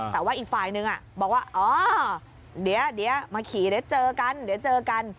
แต่ว่าอีกฝ่ายนึงบอกว่าอ๋อเดี๋ยวมาขี่เดี๋ยวเจอกัน